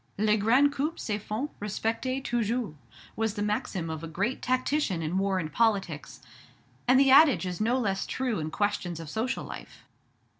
"Les grands coups se font respecter toujours," was the maxim of a great tactician in war and politics; and the adage is no less true in questions of social life.